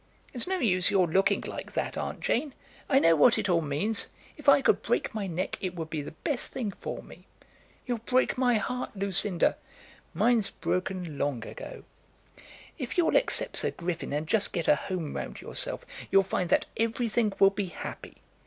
It's no use your looking like that, Aunt Jane. I know what it all means. If I could break my neck it would be the best thing for me." "You'll break my heart, Lucinda." "Mine's broken long ago." "If you'll accept Sir Griffin, and just get a home round yourself, you'll find that everything will be happy.